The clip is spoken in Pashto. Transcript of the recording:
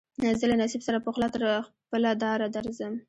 زه له نصیب سره پخلا تر خپله داره درځم